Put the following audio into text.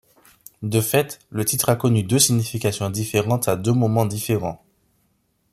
De fait, le titre a connu deux significations différentes à deux moments différents.